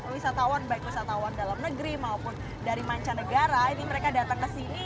wisatawan baik wisatawan dalam negeri maupun dari mancanegara ini mereka datang ke sini